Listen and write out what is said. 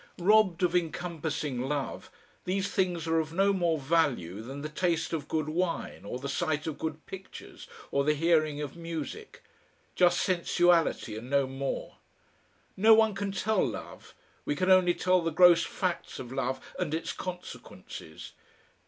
Robbed of encompassing love, these things are of no more value than the taste of good wine or the sight of good pictures, or the hearing of music, just sensuality and no more. No one can tell love we can only tell the gross facts of love and its consequences.